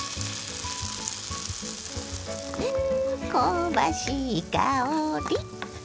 ん香ばしい香り。